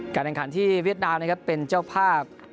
การแรงขันที่เวียดนาวเป็นเจ้าภาพ